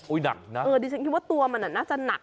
หนักนะเออดิฉันคิดว่าตัวมันน่าจะหนัก